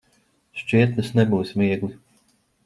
Šķiet, tas nebūs viegli.